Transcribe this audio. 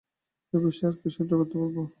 এ বয়সে আর কি কষ্ট সইতে পারব?